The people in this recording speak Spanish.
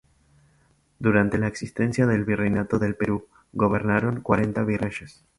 Durante la existencia del virreinato del Perú gobernaron cuarenta virreyes.